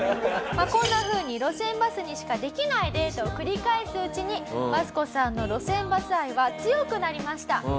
こんな風に路線バスにしかできないデートを繰り返すうちにワスコさんの路線バス愛は強くなりました。